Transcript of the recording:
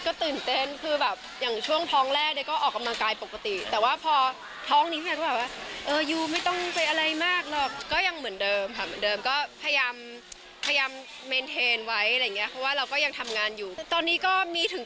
ก็ตื่นเต้นคือแบบอย่างช่วงท้องแรกนึก็ออกกำลังกายปกติ